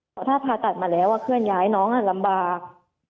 เพราะถ้าผ่าตัดมาแล้วเคลื่อนย้ายน้องลำบาก